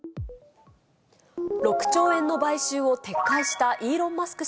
６兆円の買収を撤回したイーロン・マスク